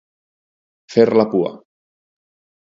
Fer la pua.